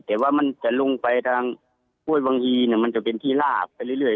แต่ว่ามันจะลงไปทางห้วยวังอีเนี่ยมันจะเป็นที่ลาบไปเรื่อย